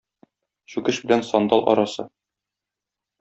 Чүкеч белән сандал арасы.